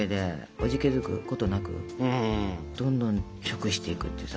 おじけづくことなくどんどん食していくってさ。